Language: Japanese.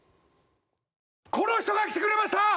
この人が来てくれました！